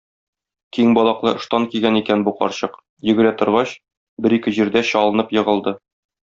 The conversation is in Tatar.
Киң балаклы ыштан кигән икән бу карчык, йөгерә торгач, бер-ике җирдә чалынып егылды.